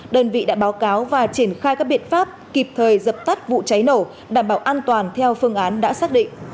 đơn vị đã báo cáo và triển khai các biện pháp kịp thời dập tắt vụ cháy nổ đảm bảo an toàn theo phương án đã xác định